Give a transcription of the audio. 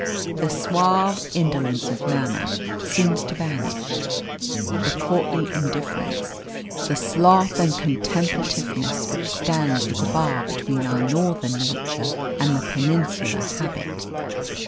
The suave indolence of manner seems to vanish, the courtly indifference, the sloth and contemplativeness which stand as a bar between our northern nature and the peninsular habit.